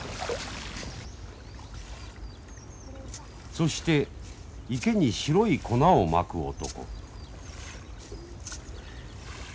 そして池に白い粉をまく男。